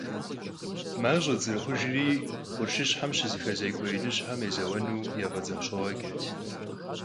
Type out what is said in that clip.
МащӀэт зэрыхъужри, къуршыщхьэм щызэхэзекӀуэ иныжьхэм езэуэну яфӀэдзыхьщӀыгъуэджэт.